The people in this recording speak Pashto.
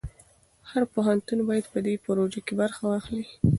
هر پښتون باید په دې پروژه کې برخه واخلي.